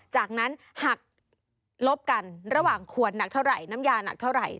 จากนั้นหักลบกันระหว่างขวดหนักเท่าไหร่น้ำยาหนักเท่าไหร่